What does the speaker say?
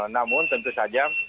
namun tentu saja